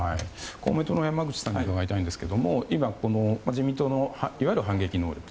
公明党の山口さんに伺いたいんですけれども自民党のいわゆる反撃能力